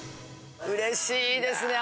うれしいですね